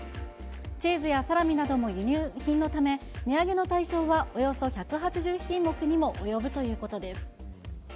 チーズやサラミなども輸入品のため、値上げの対象はおよそ１８０品目にも及ぶということです。